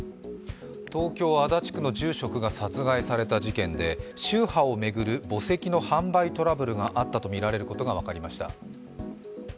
東京・足立区の住職が殺害された事件で宗派を巡る墓石の販売トラブルがあったとみられることが分かりました。